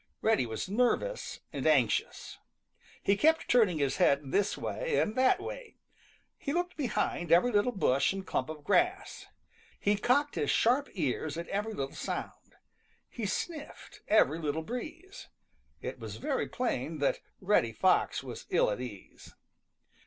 Reddy was nervous and anxious. He kept turning his head this way and that way. He looked behind every little bush and clump of grass. He cocked his sharp ears at every little sound. He sniffed every little breeze. It was very plain that Reddy Fox was ill at ease.